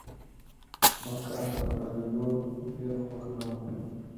احمد کار په ګرانېدو ډېر خوښ نه وو.